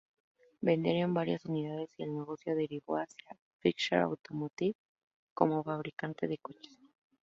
Vendieron varias unidades y el negocio derivó hacia Fisker Automotive, como fabricante de coches.